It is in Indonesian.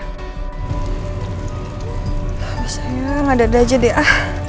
habis sayang ada ada aja dna